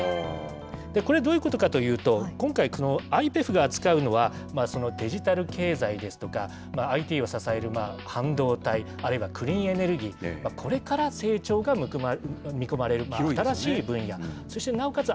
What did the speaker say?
これ、どういうことかというと、今回、このＩＰＥＦが扱うのは、デジタル経済ですとか、ＩＴを支える半導体、あるいはクリーンエネルギー、これから成長が見込まれる新しい分野、そしてなおかつ